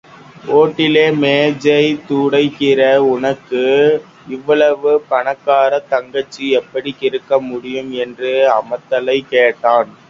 ஓட்டலிலே மேஜை துடைக்கிற உனக்கு இவ்வளவு பணக்காரத் தங்கச்சி எப்படி இருக்க முடியும்?.. என்று அமத்தலாகக் கேட்டான்.